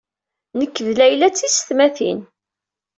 Nekk d Layla d tiysetmatin.